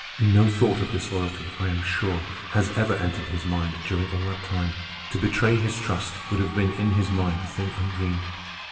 No thought of disloyalty, I am sure, has ever entered his mind during all that time. To betray his trust would have been in his mind a thing undreamed.